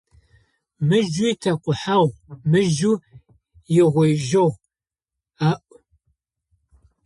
«Мыжъо итэкъухьагъу, мыжъо угъоижьыгъу…»,- аӏо.